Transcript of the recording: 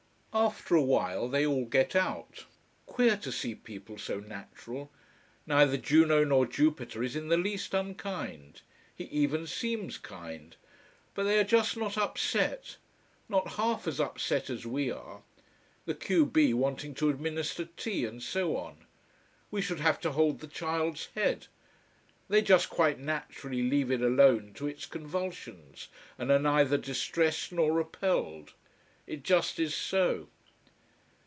After a while they all get out. Queer to see people so natural. Neither Juno nor Jupiter is in the least unkind. He even seems kind. But they are just not upset. Not half as upset as we are the q b wanting to administer tea, and so on. We should have to hold the child's head. They just quite naturally leave it alone to its convulsions, and are neither distressed nor repelled. It just is so.